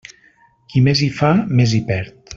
Qui més hi fa, més hi perd.